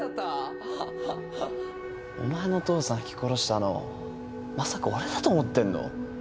お前の父さんひき殺したのまさか俺だと思ってんの？